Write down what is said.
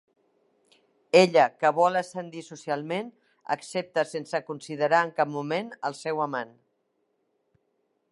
Ella, que vol ascendir socialment, accepta sense considerar en cap moment el seu amant.